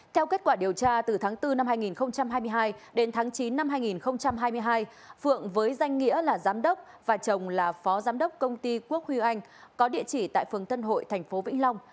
theo kết quả điều tra từ tháng bốn năm hai nghìn hai mươi hai đến tháng chín năm hai nghìn hai mươi hai phượng với danh nghĩa là giám đốc và chồng là phó giám đốc công ty quốc huy anh có địa chỉ tại phường tân hội tp vĩnh long